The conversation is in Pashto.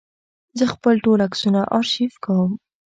زه خپل ټول عکسونه آرشیف کوم.